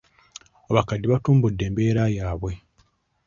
Abakadde batumbudde embeera yaabwe.